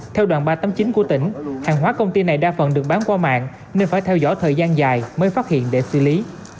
theo đoàn ba trăm tám mươi chín của tỉnh hàng hóa công ty này đa phần được bán qua mạng nên phải theo dõi thời gian dài mới phát hiện để xử lý